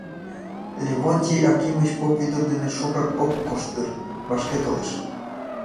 Левонтий Акимыч поп ӱдыр дене шукак ок кошт дыр, вашке толеш.